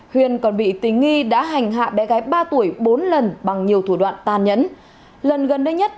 huyền còn bị tình nghi đã hành hạ bé gái ba tuổi bốn lần bằng nhiều thủ đoạn tàn nhẫn